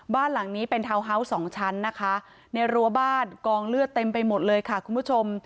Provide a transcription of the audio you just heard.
บ้านหลังนี้เป็นทาวน์ฮาวส์สองชั้นนะคะในรั้วบ้านกองเลือดเต็มไปหมดเลยค่ะคุณผู้ชม